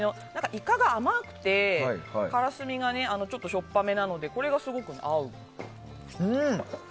イカが甘くてからすみがしょっぱめなのでこれがすごく合う。